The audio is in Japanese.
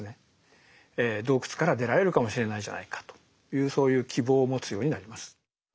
洞窟から出られるかもしれないじゃないかというそういう希望を持つようになります。